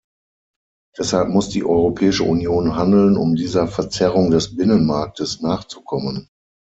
Deshalb muss die Europäische Union handeln, um dieser Verzerrung des Binnenmarktes nachzukommen.